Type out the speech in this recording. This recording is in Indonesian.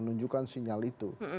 sudah menunjukkan sinyal itu